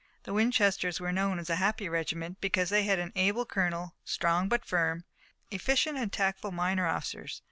The Winchesters were known as a happy regiment, because they had an able colonel, strong but firm, efficient and tactful minor officers.